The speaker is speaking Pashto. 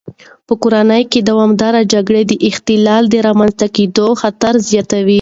په کورنۍ کې دوامداره جګړه د اختلال د رامنځته کېدو خطر زیاتوي.